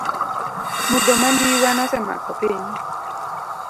Mudho mandiwa nosemako piny.